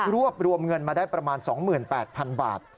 รวมเงินมาได้ประมาณ๒๘๐๐๐บาท